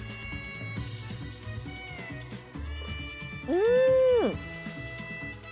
うん。